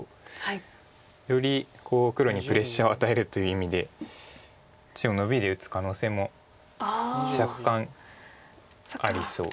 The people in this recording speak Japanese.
より黒にプレッシャーを与えるという意味で中央ノビで打つ可能性も若干ありそう。